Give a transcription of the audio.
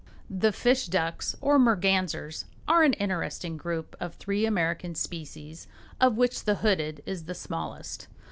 The "fish ducks," or mergansers, are an interesting group of three American species, of which the hooded is the smallest.